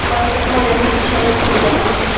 কয়েকদিন পর এমনিতেই সবাই ভুলে যাবে।